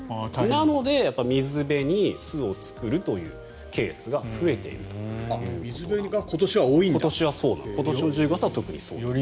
なので、水辺に巣を作るというケースが増えているということなんです。